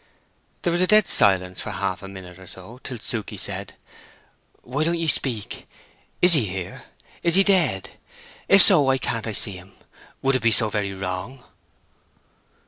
There was a dead silence of half a minute or so, till Suke said, "Why don't ye speak? Is he here? Is he dead? If so, why can't I see him—would it be so very wrong?"